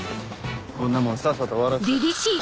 こんなもんさっさと終わらして。